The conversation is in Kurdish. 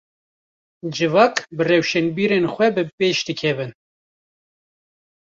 Civak, bi rewşenbîrên xwe bipêş dikevin